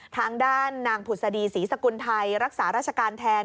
ทางด้านนางผุศดีศรีสกุลไทยรักษาราชการแทน